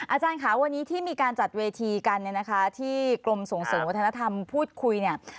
อาจารย์ค่ะวันนี้ที่มีการจัดเวทีกันเนี่ยนะคะที่กรมส่งเสริมวัฒนธรรมพูดคุยเนี่ย